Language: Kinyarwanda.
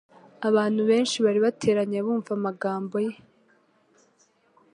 Abantu benshi bari bateranye, bumva amagambo ye,